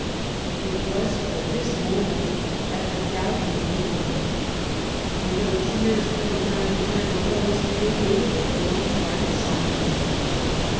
It was for this moment that the crowd was waiting. Though cheers from time to time arose, they waited for the most part in silence.